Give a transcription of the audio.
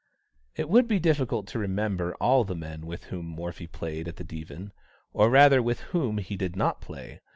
It would be difficult to remember all the men with whom Morphy played at the Divan; or, rather, with whom he did not play.